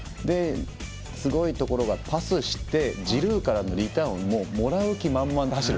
すごいところがパスしてジルーからのリターンをもうもらう気満々。